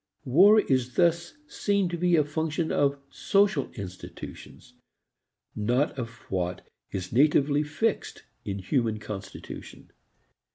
War is thus seen to be a function of social institutions, not of what is natively fixed in human constitution.